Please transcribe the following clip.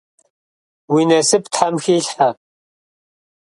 Уи насып Тхьэм хилъхьэ.